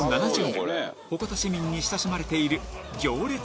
７０年鉾田市民に親しまれている行列